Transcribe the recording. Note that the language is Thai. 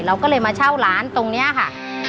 เราก็เลยมาเช่าร้านตรงนี้ค่ะ